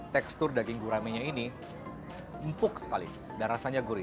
tekstur daging guraminya ini empuk sekali dan rasanya gurih